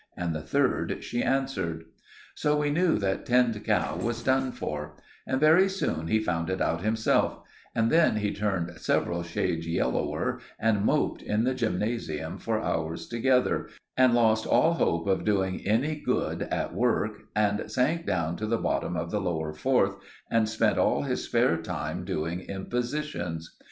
And the third she answered. So we knew that Tinned Cow was done for; and very soon he found it out himself, and then he turned several shades yellower and moped in the gymnasium for hours together, and lost all hope of doing any good at work, and sank down to the bottom of the lower fourth and spent all his spare time doing impositions.